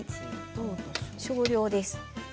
少量です。